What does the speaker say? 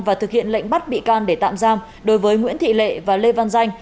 và thực hiện lệnh bắt bị can để tạm giam đối với nguyễn thị lệ và lê văn danh